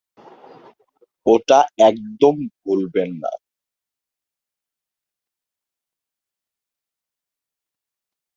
ওটা একদম ভুলবেন না।